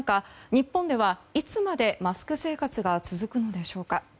日本ではいつまでマスク生活が続くのでしょうか。